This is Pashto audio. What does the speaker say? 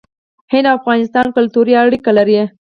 هند او افغانستان کلتوري اړیکې لري.